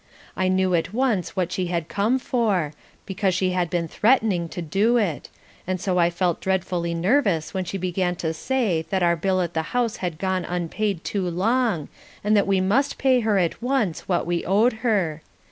I knew at once what she had come for, because she had been threatening to do it, and so I felt dreadfully nervous when she began to say that our bill at the house had gone unpaid too long and that we must pay her at once what we owed her.